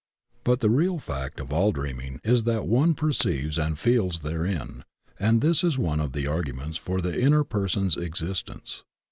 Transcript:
But the great fact of all dreaming is that some one perceives and feels therein, and this is one of the arguments for the inner person's existence.